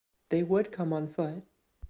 They would come on foot.